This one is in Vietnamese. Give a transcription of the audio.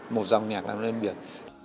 một dòng nhạc nào riêng biệt